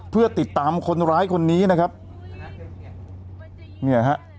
เพื่อติดตามคนร้ายคนนี้นะครับเนี่ยฮะ